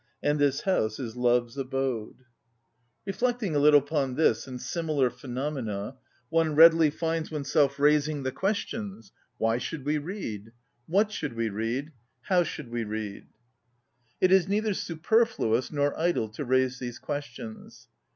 And this house is love's abode." 6 ON READING Reflecting a little upon this and similar phenomena, one readily finds oneself raising the questions: Why should we read? What should we read? How should we read? It is neither superfluous nor idle to raise these questions.